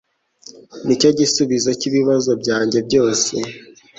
Nicyo gisubizo cyibibazo byanjye byose